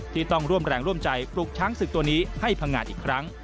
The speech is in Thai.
ที่ต้องร่วมแรงร่วมใจปลุกช้างศึกตัวนี้ให้พังงานอีกครั้ง